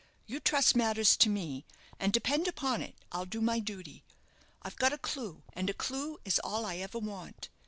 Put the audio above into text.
You trust matters to me, and depend upon it, I'll do my duty. I've got a clue, and a clue is all I ever want.